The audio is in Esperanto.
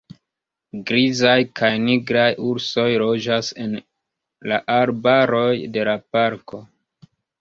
Grizaj kaj nigraj ursoj loĝas en la arbaroj de la parko.